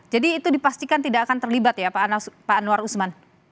jadi itu dipastikan tidak akan terlibat ya pak anwar usman